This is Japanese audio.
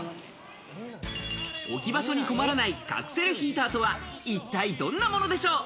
置き場所に困らない、隠せるヒーターとは一体どんなものでしょう？